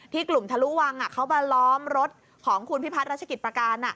กลุ่มทะลุวังเขามาล้อมรถของคุณพิพัฒนรัชกิจประการ